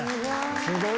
すごい。